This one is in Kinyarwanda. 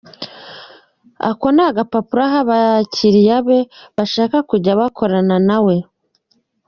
Ako ni agapapuro aha abakiliya be bashaka kujya bakorana na we.